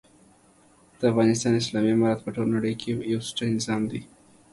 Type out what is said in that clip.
دافغانستان اسلامي امارت په ټوله نړۍ کي یو سوچه نظام دی